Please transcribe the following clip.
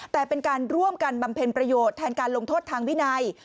แต่เป็นการร่วมกันบำเพ็ญประโยชน์แทนการลงโทษทางวินัย